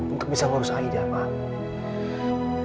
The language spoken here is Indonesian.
untuk bisa urus aida pak